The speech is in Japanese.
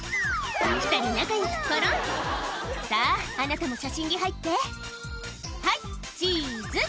２人仲よくコロン「さぁあなたも写真に入ってはいチーズ」